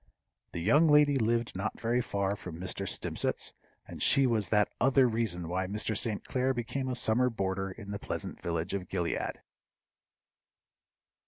The young lady lived not very far from Mr. Stimpcett's, and she was that other reason why Mr. St. Clair became a summer boarder in the pleasant village of Gilead.